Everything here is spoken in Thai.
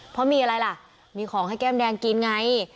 เพราะมีอะไรล่ะมีของให้แก้มแดงกินไง